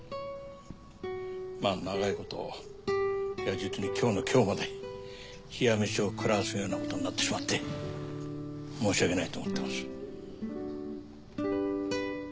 まあ長いこといや実に今日の今日まで冷や飯を食らわせるようなことになってしまって申し訳ないと思ってます。